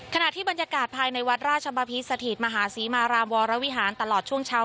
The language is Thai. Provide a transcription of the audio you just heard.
ขณะที่บรรยากาศภายในวัดราชบพิษสถิตมหาศรีมารามวรวิหารตลอดช่วงเช้า